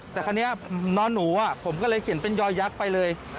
แต่คราวนี้นอนหนูผมก็เลยเขียนเป็นยอยยักษ์ไปเลย